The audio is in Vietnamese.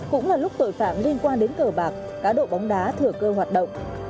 cũng là lúc tội phạm liên quan đến cờ bạc cá độ bóng đá thừa cơ hoạt động